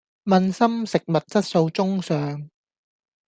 問心食物質素中上